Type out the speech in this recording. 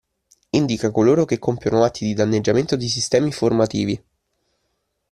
Indica coloro che compiono atti di danneggiamento di sistemi informativi.